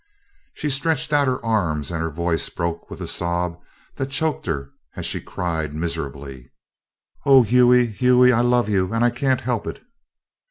She stretched out her arms and her voice broke with the sob that choked her as she cried miserably: "Oh, Hughie! Hughie! I love you, and I can't help it!"